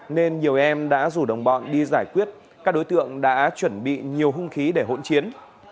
nên nhiều em đã rủ đồng bọn đi giải quyết các đối tượng đã chuẩn bị nhiều hung khí để hỗn chiến